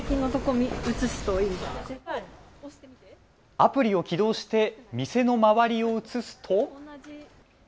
アプリを起動して店の周りを映すと。